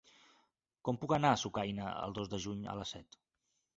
Com puc anar a Sucaina el dos de juny a les set?